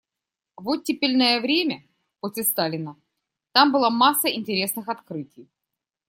В оттепельное время, после Сталина – там была масса интересных открытий.